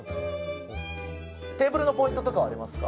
テーブルのポイントはありますか？